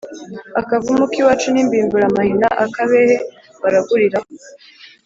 Akavumu k'iwacu ni Mbimburamahina-Akabehe baraguriraho.